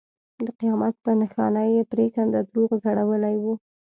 د قیامت په نښانه یې پرېکنده دروغ ځړولي وو.